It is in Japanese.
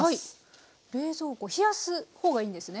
冷やす方がいいんですね？